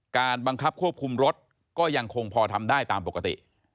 การบังคับควบคุมรถก็ยังคงพอทำได้ตามปกติ